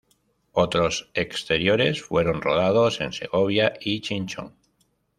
Otros exteriores fueron rodados en Segovia y Chinchón.